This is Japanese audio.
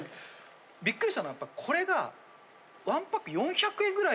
びっくりしたのはこれが。